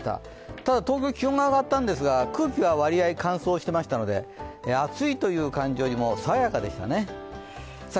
ただ東京は気温は上がったんですが、空気は割合乾燥していましたので暑いという感じよりも、爽やかでしたね。